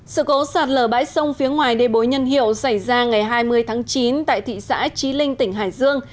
sự cố sạt lở bãi sông phía ngoài đê bối nhân hiệu xảy ra ngày hai mươi tháng chín tại thị xã trí linh tỉnh hải dương